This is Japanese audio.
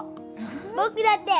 僕だって！